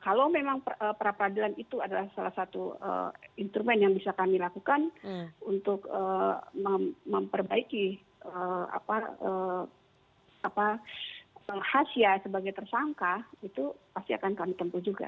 kalau memang perapradilan itu adalah salah satu instrumen yang bisa kami lakukan untuk memperbaiki rahasia sebagai tersangka itu pasti akan kami tempuh juga